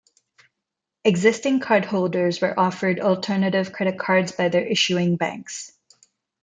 Existing cardholders were offered alternative credit cards by their issuing banks.